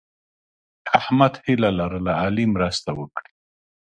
احمد هیله لرله علي مرسته وکړي.